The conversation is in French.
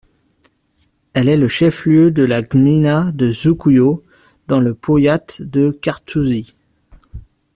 Elle est le chef-lieu de la gmina de Żukowo, dans le powiat de Kartuzy.